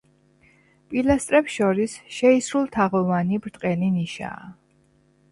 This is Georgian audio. პილასტრებს შორის შეისრულთაღოვანი, ბრტყელი ნიშაა.